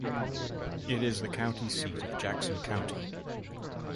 It is the county seat of Jackson County.